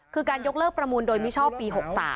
คือการยกเลิกประมูลโดยมิชอบปี๖๓